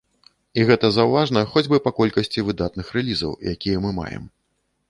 І гэта заўважна хоць бы па колькасці выдатных рэлізаў, якія мы маем.